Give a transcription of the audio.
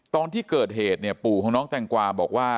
ตอนที่เกิดเหตุเนี่ยปู่ของน้องแตงกวาบอกว่า